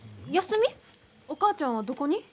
お母ちゃんはどこに？